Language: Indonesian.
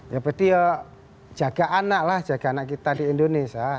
ya berarti ya jaga anak lah jaga anak kita di indonesia